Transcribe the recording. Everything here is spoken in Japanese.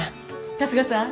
春日さん